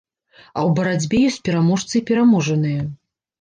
А ў барацьбе ёсць пераможцы і пераможаныя.